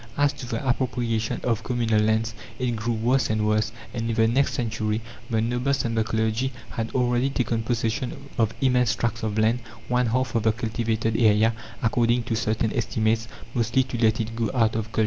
As to the appropriation of communal lands, it grew worse and worse, and in the next century the nobles and the clergy had already taken possession of immense tracts of land one half of the cultivated area, according to certain estimates mostly to let it go out of culture.